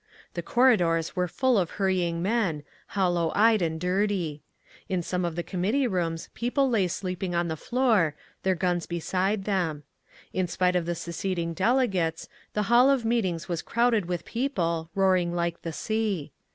The corridors were full of hurrying men, hollow eyed and dirty. In some of the committee rooms people lay sleeping on the floor, their guns beside them. In spite of the seceding delegates, the hall of meetings was crowded with people, roaring like the sea.